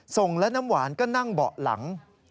ส่งและน้ำหวานก็นั่งเบาะหลัง